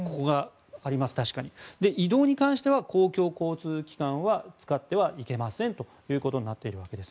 移動に関しては公共交通機関は使ってはいけませんということになっています。